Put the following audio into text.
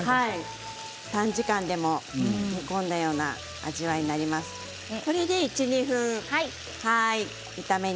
短時間で煮込んだような味わいになります。